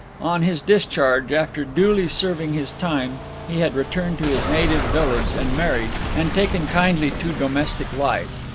On his discharge, after duly serving his time, he had returned to his native village, and married, and taken kindly to domestic life.